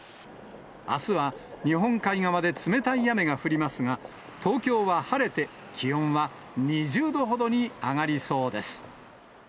あすは日本海側で冷たい雨が降りますが、東京は晴れて、気温は２０度ほどに上がりそうです。